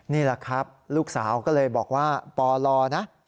นี่แหละครับลูกสาวก็เลยบอกว่าปลนะ